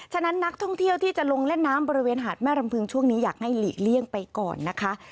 ฉะนั้นนักท่องเที่ยวที่จะลงเล่นน้ำบริเวณหาดแม่รำพึงช่วงนี้อยากให้หลีกเลี่ยงไปก่อนนะคะ